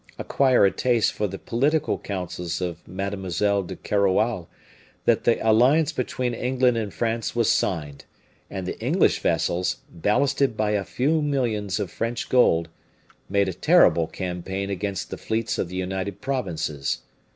acquire a taste for the political counsels of Mademoiselle de Keroualle, that the alliance between England and France was signed, and the English vessels, ballasted by a few millions of French gold, made a terrible campaign against the fleets of the United Provinces.